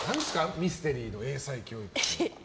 ミステリーの英才教育って。